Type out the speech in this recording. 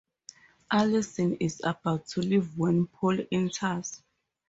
Allyson is about to leave when Paul enters.